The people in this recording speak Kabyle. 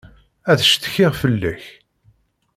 Ad ccetkiɣ fell-ak.